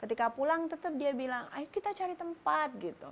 ketika pulang tetap dia bilang ayo kita cari tempat gitu